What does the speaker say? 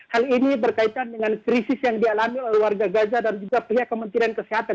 hal ini berkaitan dengan krisis yang dialami oleh warga gaza dan juga pihak kementerian kesehatan